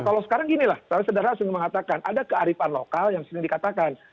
kalau sekarang ginilah sederhana sering mengatakan ada kearifan lokal yang sering dikatakan